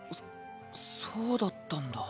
そそうだったんだ。